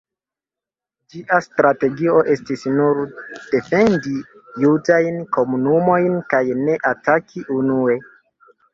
Ĝia strategio estis nur defendi judajn komunumojn kaj ne ataki unue.